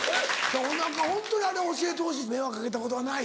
おなかホントに教えてほしい迷惑かけたことはない？